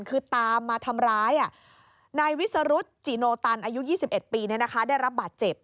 คือตามมาทำร้ายนายวิสรุธจิโนตันอายุ๒๑ปีได้รับบาดเจ็บ